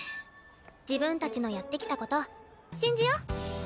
自分たちのやってきたこと信じよ。